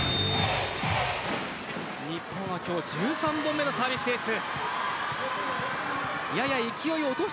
日本は今日１３本目のサービスエース。